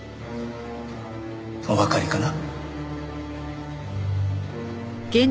おわかりかな？